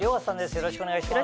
よろしくお願いします。